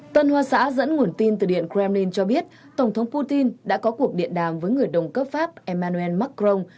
tân hoa xã dẫn nguồn tin từ điện kremlin cho biết tổng thống putin đã có cuộc điện đàm với người đồng cấp pháp emmanuel macron